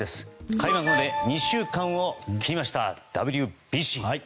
開幕まで２週間を切りましたＷＢＣ。